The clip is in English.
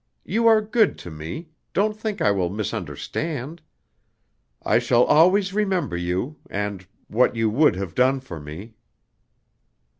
You are good to me don't think I will misunderstand. I shall always remember you, and what you would have done for me."